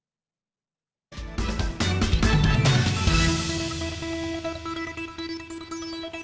tetaplah bersama kami